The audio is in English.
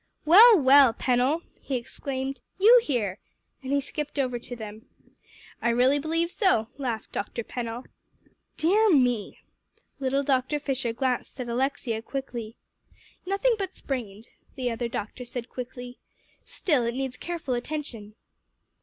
"Well, well, Pennell," he exclaimed, "you here?" and he skipped over to them. "I really believe so," laughed Dr. Pennell. "Dear me!" Little Dr. Fisher glanced at Alexia quickly. "Nothing but sprained," the other doctor said quickly. "Still, it needs careful attention."